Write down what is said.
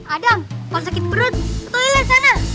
adam kalo sakit perut ke toilet sana